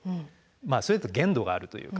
それだと限度があるというか。